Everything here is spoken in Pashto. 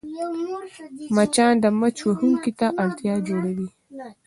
مچان د مچ وهونکي ته اړتیا جوړوي